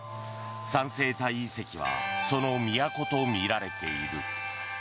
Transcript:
三星堆遺跡はその都とみられている。